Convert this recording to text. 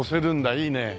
いいね。